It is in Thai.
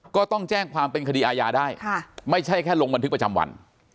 ก็ต้องแจ้งความเป็นคดีอาญาได้ไม่ใช่แค่ลงบันทึกประจำวัน